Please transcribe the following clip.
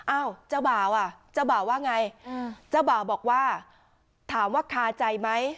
อ้าวเจ้าบ่าวอ่ะเจ้าบ่าวว่าไงเจ้าบ่าวบอกว่าถามว่าคาใจไหม